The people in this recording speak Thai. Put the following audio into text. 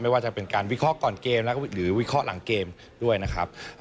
ว่าจะเป็นการวิเคราะห์ก่อนเกมแล้วก็หรือวิเคราะห์หลังเกมด้วยนะครับ